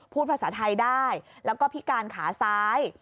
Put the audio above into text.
พูดภาษาไทยได้แล้วก็พิการขาซ้าย